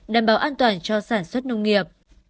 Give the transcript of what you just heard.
đảm bảo an toàn cho sản xuất nông nghiệp